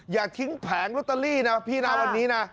อย่าทิ้งแผงลอตเตอรี่นะพี่นะวันนี้นะ